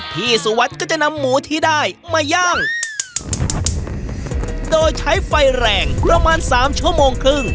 สุวัสดิ์ก็จะนำหมูที่ได้มาย่างโดยใช้ไฟแรงประมาณสามชั่วโมงครึ่ง